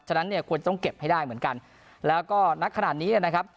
ฉะนั้นเนี่ยควรต้องเก็บให้ได้เหมือนกันแล้วก็นักขนาดนี้นะครับ